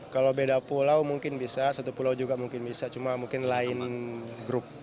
kalau beda pulau mungkin bisa satu pulau juga mungkin bisa cuma mungkin lain grup